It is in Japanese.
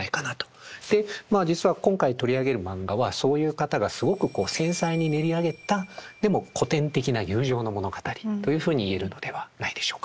でまあ実は今回取り上げるマンガはそういう方がすごく繊細に練り上げたでも古典的な友情の物語というふうに言えるのではないでしょうか。